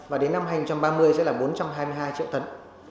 và đến năm hai nghìn ba mươi sẽ là bốn trăm hai mươi hai triệu tấn